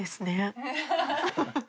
ハハハ